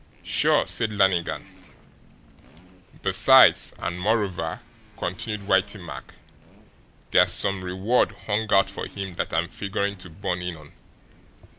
"Sure," said Lannigan. "Besides, and moreover," continued Whitey Mack, "there's SOME reward hung out for him that I'm figuring to born in on.